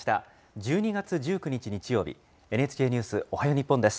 １２月１９日日曜日、ＮＨＫニュースおはよう日本です。